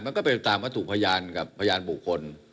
มันก็เป็นตามวัตถุพยานกับพยานบุคคล